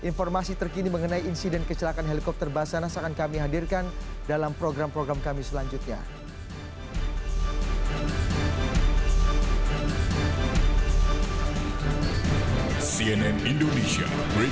dan informasi terkini mengenai insiden kecelakaan helikopter basanas akan kami hadirkan dalam program program kami selanjutnya